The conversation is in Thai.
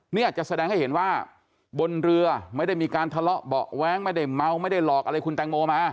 เนี่ยจะแสดงให้เห็นว่าบนเรือไม่ได้มีการทะเลาะเบาะแว้งไม่ได้เมาไม่ได้หลอกอะไรคุณแตงโมมา